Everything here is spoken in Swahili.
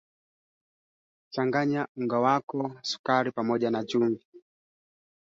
Wanyama wachache hufa mara nyingi chini ya wale walioathirika